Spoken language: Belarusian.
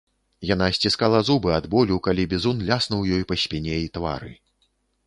Яна сціскала зубы ад болю, калі бізун ляснуў ёй па спіне і твары.